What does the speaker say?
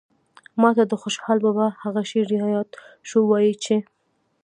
ماته د خوشال بابا هغه شعر راياد شو وايي چې